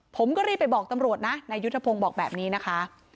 ผมก็รีบไปบอกตำรวจนะนายยุทธพงศ์บอกแบบนี้นะคะ